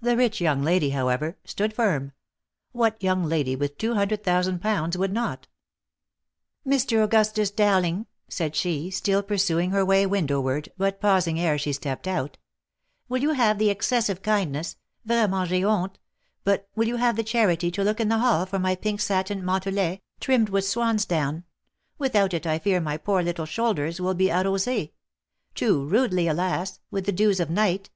The rich young 10 THE LIFE AND ADVENTURES lady, however, stood firm : what young lady with two hundred thousand pounds would not ?" Mr. Augustus Dowling," said she, still pursuing her way window ward, but pausing ere she stepped out, " will you have the excessive kindness, — vraiment j'ai honte; but will you have the charity to look in the hall for my pink satin mantelet, trimmed with swansdown ; without it I fear my poor little shoulders will be arrosees —' too rudely, alas !' with the dews of night."